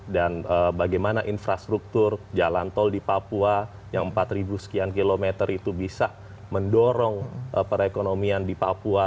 dan bagaimana infrastruktur jalan tol di papua yang empat ribu sekian kilometer itu bisa mendorong perekonomian di papua